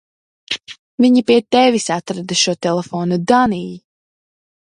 Viņi pie tevis atrada šo telefonu, Dannij!